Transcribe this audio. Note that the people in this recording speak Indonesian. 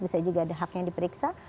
bisa juga ada hak yang diperiksa